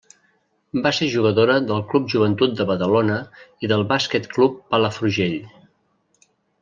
Va ser jugadora del Club Joventut de Badalona i del Bàsquet Club Palafrugell.